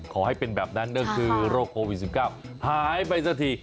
ขอให้เป็นแบบนั้นก็คือโรคโควิด๑๙หายไปสักที